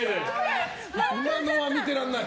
今のは見てられない。